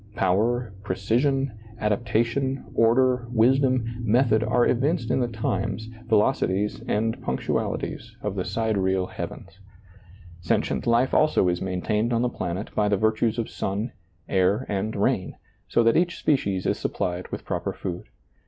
Power, precision, adaptation, order, wisdom, method, are evinced in the times, veloci ^lailizccbvGoOgle A NEW YEAR SERMON 83 ties, and punctualities of the sidereal heavens. Sentient life also is maintained on the planet by the virtues of sun, air, and rain, so that each species is supplied with proper food.